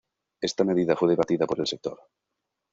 Esta medida fue debatida por el sector.